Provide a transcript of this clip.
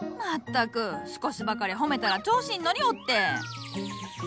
全く少しばかり褒めたら調子に乗りおって！